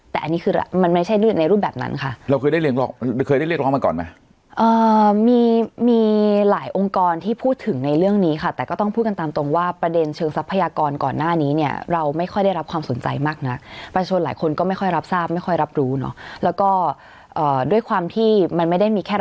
แต่อันนี้คือมันไม่ใช่ในรูปแบบนั้นค่ะเราเคยได้เคยได้เรียกร้องมาก่อนไหมมีมีหลายองค์กรที่พูดถึงในเรื่องนี้ค่ะแต่ก็ต้องพูดกันตามตรงว่าประเด็นเชิงทรัพยากรก่อนหน้านี้เนี่ยเราไม่ค่อยได้รับความสนใจมากนักประชาชนหลายคนก็ไม่ค่อยรับทราบไม่ค่อยรับรู้เนอะแล้วก็ด้วยความที่มันไม่ได้มีแค่